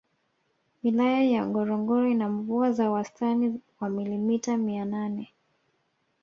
Wilaya Ngorongoro ina mvua za wastani wa milimita mia nane